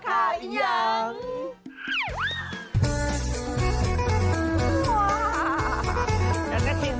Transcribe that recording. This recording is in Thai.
วันหยุดมันก็ทำงวดนักศรีดัว